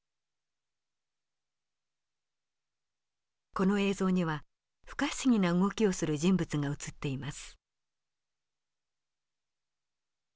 この映像には不可思議な動きをする人物が映っています。